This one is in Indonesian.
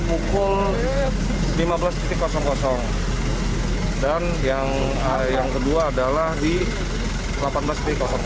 pukul lima belas dan yang kedua adalah di delapan belas di